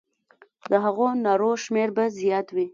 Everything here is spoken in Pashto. د هغو نارو شمېر به زیات وي.